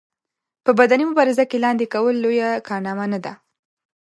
په بدني مبارزه کې لاندې کول لويه کارنامه نه ده.